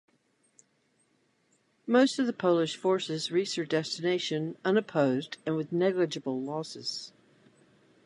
Most of the Polish forces reached their destination unopposed and with negligible losses.